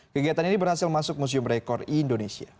kegiatan ini berhasil masuk museum rekor indonesia